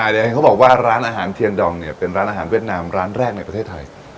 เดี๋ยวเห็นเขาบอกว่าร้านอาหารเทียนดองเนี่ยเป็นร้านอาหารเวียดนามร้านแรกในประเทศไทย